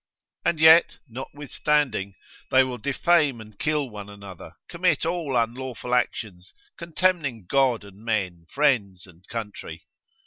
And yet notwithstanding they will defame and kill one another, commit all unlawful actions, contemning God and men, friends and country.